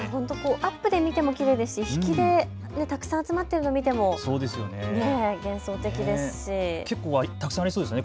アップで見てもきれいですし、引きでたくさん集まっているのを見ても幻想的ですし結構たくさんありそうですね